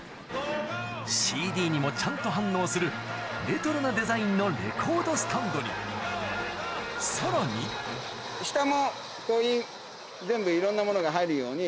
ＣＤにもちゃんと反応するレトロなデザインのレコードスタンドにさらに下もこう全部いろんなものが入るように。